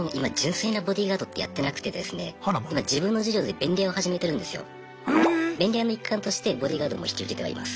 便利屋の一環としてボディーガードも引き受けてはいます。